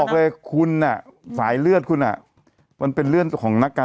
แล้วก็ยาดคุณมันเป็นใคร